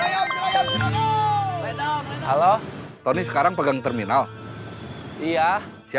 ya siap lihat instead seperti tadi ya ongkong satu duanya